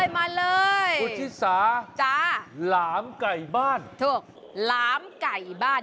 มาเลยคุณชิสาจ้าหลามไก่บ้านถูกหลามไก่บ้าน